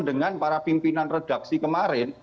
dengan para pimpinan redaksi kemarin